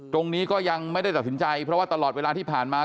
ตรงนี้ก็ยังไม่ได้ตัดสินใจเพราะว่าตลอดเวลาที่ผ่านมา